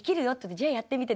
「じゃあやってみて」。